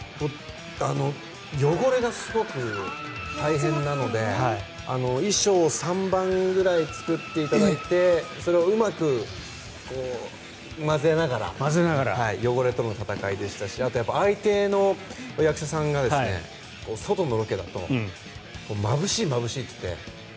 汚れがすごく大変なので衣装を３番ぐらい作っていただいてそれをうまく混ぜながら汚れとの戦いでしたしあと相手の役者さんが外のロケだとまぶしい、まぶしいって言って。